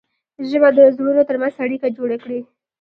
ژبه د زړونو ترمنځ اړیکه جوړه کړي